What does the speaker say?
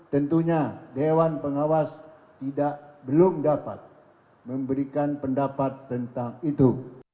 tentunya dewan pengawas belum dapat memberikan pendapat tentang itu